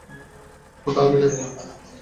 ওটা আমি নাকি?